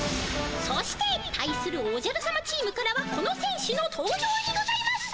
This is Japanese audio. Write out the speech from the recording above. そして対するおじゃるさまチームからはこのせん手の登場にございます！